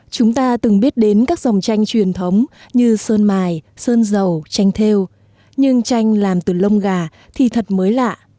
chúng ta từng biết đến các dòng tranh truyền thống như sơn mài sơn dầu tranh theo nhưng tranh làm từ lông gà thì thật mới lạ